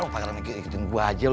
lo panggil mikirin gue aja